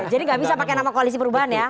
jadi gak bisa pakai nama koalisi perubahan ya